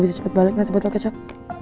bisa cepat balik nggak sih botol kecap